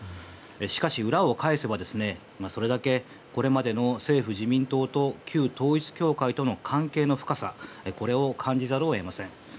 しかし裏を返せばそれだけこれまでの政府・自民党と旧統一教会との関係の深さこれを感じざるを得ません。